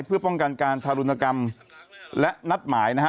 เพื่อป้องกันการทารุณกรรมและนัดหมายนะฮะ